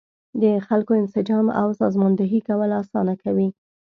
د خلکو انسجام او سازماندهي کول اسانه کوي.